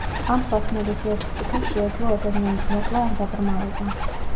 ამ სასმელის ერთ ჭიქას შეეძლო ადამიანის მოკვლა ან დაბრმავება.